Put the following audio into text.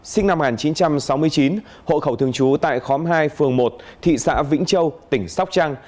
sinh năm một nghìn chín trăm sáu mươi chín hộ khẩu thường trú tại khóm hai phường một thị xã vĩnh châu tỉnh sóc trăng